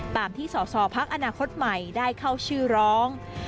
ตามที่สอสอพักอนาคตใหม่ได้เข้าชื่อร้อง